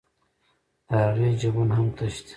د هغې جېبونه هم تش دي